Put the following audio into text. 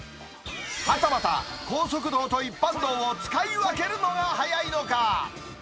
はたまた、高速道と一般道を使い分けるのが速いのか。